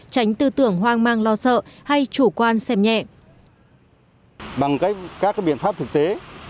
tránh tư tưởng hoang mang lo sợ hay chủ quan xem nhẹ